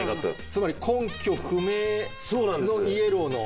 つまり根拠不明イエローの。